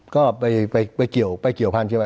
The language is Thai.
ก็ไปเกี่ยวภาพเชียงใหม่